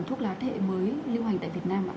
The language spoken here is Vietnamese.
thuốc lá thế hệ mới lưu hành tại việt nam ạ